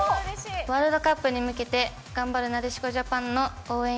ワールドカップに向けて、頑張るなでしこジャパンの応援